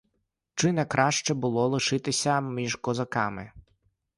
Чи не краще було лишитися між козаками?